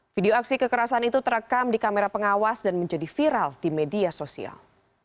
video aksi kekerasan itu terekam di kamera pengawas dan menjadi viral di media sosial